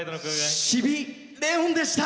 しびレオンでした！